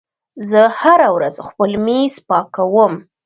زه هره ورځ خپل میز پاکوم.